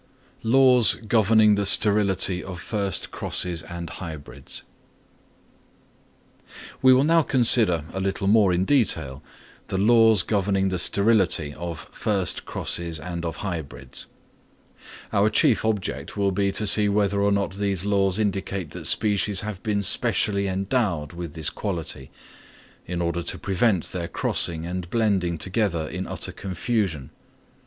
Laws governing the Sterility of first Crosses and of Hybrids. We will now consider a little more in detail the laws governing the sterility of first crosses and of hybrids. Our chief object will be to see whether or not these laws indicate that species have been specially endowed with this quality, in order to prevent their crossing and blending together in utter confusion.